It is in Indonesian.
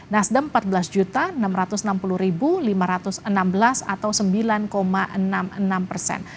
nasdem empat belas enam ratus enam puluh lima ratus enam belas atau sembilan enam puluh enam persen